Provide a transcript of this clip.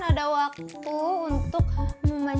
tidak ada yang bisa dikendalikan